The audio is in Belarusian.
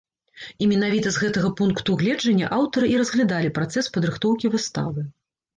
І менавіта з гэтага пункту гледжання аўтары і разглядалі працэс падрыхтоўкі выставы.